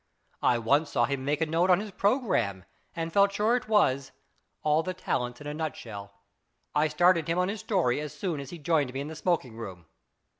Once I saw him make a note on his programme, and felt sure it was, " All the talents in a nut shell." I started him on his story as soon as he joined me in the smoking room.